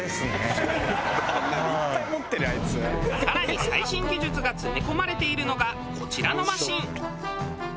更に最新技術が詰め込まれているのがこちらのマシン。